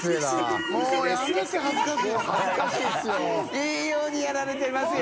いい茲Δやられてますよ。